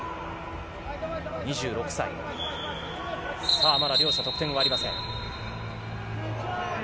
２６歳、まだ両者得点はありません。